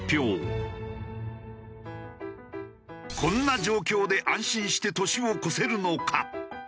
こんな状況で安心して年を越せるのか？